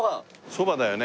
そばだよね？